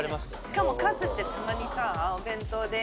しかもカツってたまにさお弁当で。